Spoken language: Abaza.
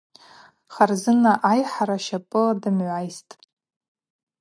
Харзына айхӏара щапӏыла дымгӏвайситӏ.